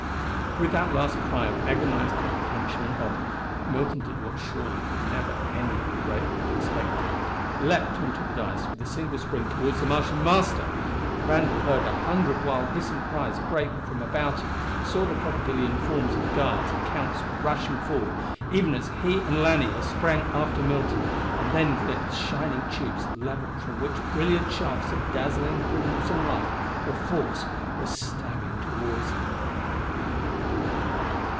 With that last cry of agonized comprehension and horror, Milton did what surely had never any in the great hall expected, leaped onto the dais with a single spring toward the Martian Master! Randall heard a hundred wild hissing cries break from about him, saw the crocodilian forms of guards and council rushing forward even as he and Lanier sprang after Milton, and then glimpsed shining tubes levelled from which brilliant shafts of dazzling crimson light or force were stabbing toward them!